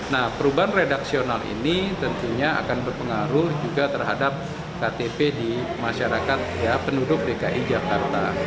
nah perubahan redaksional ini tentunya akan berpengaruh juga terhadap ktp di masyarakat penduduk dki jakarta